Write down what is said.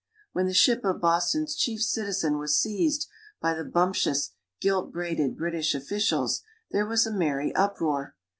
When the ship of Boston's chief citizen was seized by the bumptious, gilt braided British officials, there was a merry uproar.